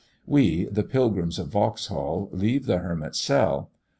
We, the Pilgrims of Vauxhall, leave the hermit's cell.